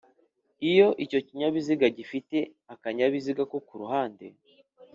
Iyo icyo kinyabiziga gifite akanyabiziga ko kuruhande